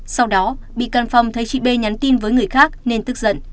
sau đó bị can phong thấy chị b nhắn tin với người khác nên tức giận